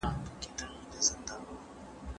میلمه پالنه د افغانانو پخوانی دود و.